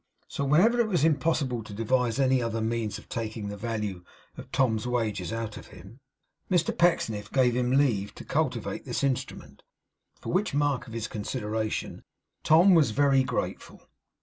So whenever it was impossible to devise any other means of taking the value of Tom's wages out of him, Mr Pecksniff gave him leave to cultivate this instrument. For which mark of his consideration Tom was very grateful.